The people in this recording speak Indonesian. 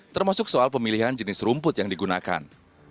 termasuk soal pemilihan jenis rumput yang digunakan